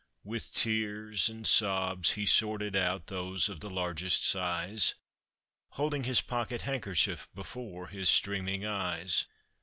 With tears and sobs he sorted out Those of the largest size, Holding his pocket handkerchief Before his streaming eyes."